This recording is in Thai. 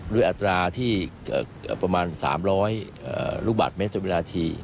ด้วยอัตราที่ประมาณ๓๐๐ลูกบาทเม็ดตัวเวลาที